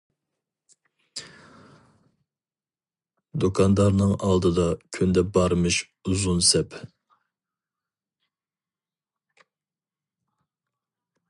دۇكاندارنىڭ ئالدىدا كۈندە بارمىش ئۇزۇن سەپ.